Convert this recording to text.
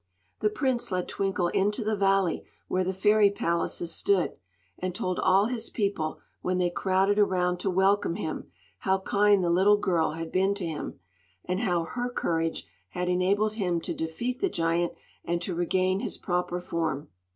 The prince led Twinkle into the valley where the fairy palaces stood, and told all his people, when they crowded around to welcome him, how kind the little girl had been to him, and how her courage had enabled him to defeat the giant and to regain his proper form.